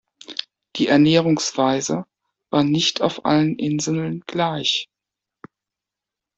Die Ernährungsweise war nicht auf allen Inseln gleich.